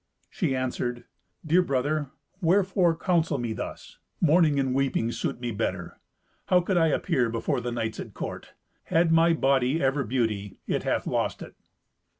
She answered, "Dear brother, wherefore counsel me thus? Mourning and weeping suit me better. How could I appear before the knights at court? Had my body ever beauty, it hath lost it."